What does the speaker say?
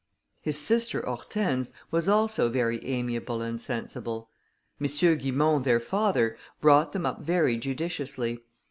His sister, Hortense, was also very amiable and sensible. M. Guimont, their father, brought them up very judiciously.